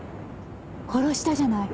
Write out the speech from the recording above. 殺したじゃない。